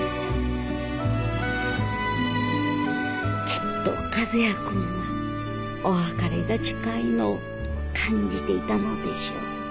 きっと和也君はお別れが近いのを感じていたのでしょう。